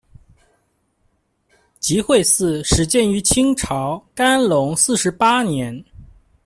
集惠寺始建于清朝干隆四十八年。